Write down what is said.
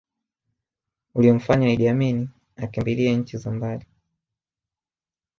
Uliomfanya Iddi Amini akimbilie nchi za mbali